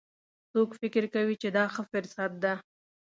څوک فکر کوي چې دا ښه فرصت ده